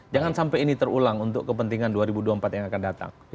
jangan sampai ini terulang untuk kepentingan dua ribu dua puluh empat yang akan datang